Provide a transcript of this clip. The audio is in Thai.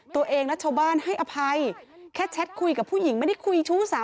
ตัวเองและชาวบ้านให้อภัยแค่แชทคุยกับผู้หญิงไม่ได้คุยชู้สาว